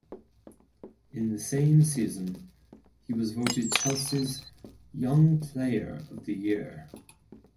In the same season, he was voted Chelsea's young player of the year.